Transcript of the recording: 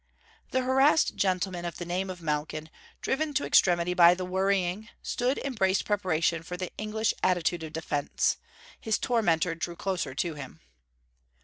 The harassed gentleman of the name of Malkin, driven to extremity by the worrying, stood in braced preparation for the English attitude of defence. His tormentor drew closer to him.